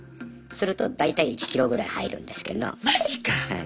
すると大体１キロぐらい入るんですけど。